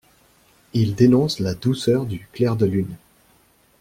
Ils dénoncent la douceur du clair de lune.